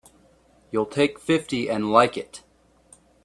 You'll take fifty and like it!